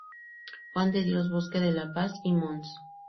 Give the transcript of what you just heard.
Juan de Dios Bosque de La Paz y Mons.